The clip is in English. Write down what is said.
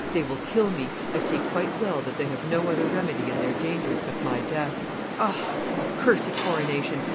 They will kill me; I see quite well that they have no other remedy in their dangers but my death. Ah! accursed coronation!